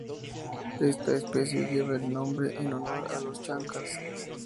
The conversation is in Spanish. Esta especie lleva el nombre en honor a los Chancas.